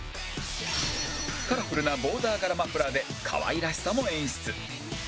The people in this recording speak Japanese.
カラフルなボーダー柄マフラーで可愛らしさも演出